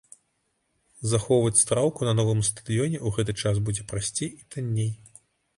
Захоўваць траўку на новым стадыёне ў гэты час будзе прасцей і танней.